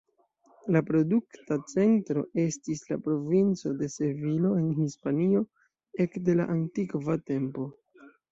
La produkta centro estis la provinco de Sevilo en Hispanio ekde la antikva tempo.